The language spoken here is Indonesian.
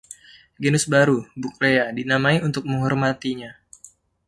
Genus baru "Buckleya" dinamai untuk menghormatinya.